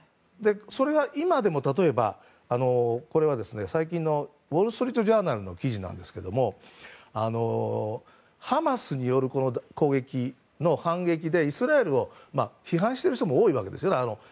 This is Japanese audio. それが今でも例えば、最近のウォール・ストリート・ジャーナルの記事なんですけどもハマスによる攻撃の反撃でイスラエルを批判している人も街で多いわけですね。